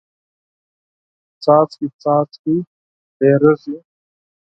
څاڅکې څاڅکې ډېریږي.